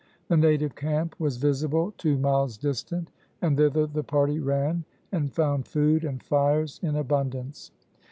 The native camp was visible two miles distant, and thither the party ran and found food and fires in abundance.